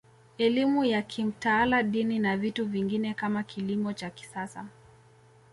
Elimu ya kimtaala Dini na vitu vingine kama kilimo cha kisasa